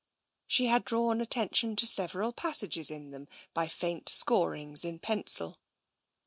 She had drawn attention to several passages in them by faint scorings in pencil.